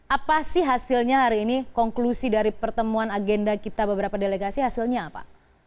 apa sih hasilnya hari ini konklusi dari pertemuan agenda kita beberapa delegasi hasilnya apa